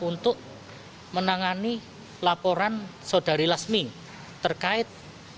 untuk menangani laporan saudari lasmi terkait